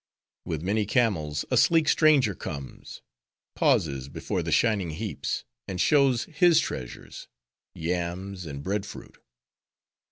With many camels, a sleek stranger comes— pauses before the shining heaps, and shows his treasures: yams and bread fruit.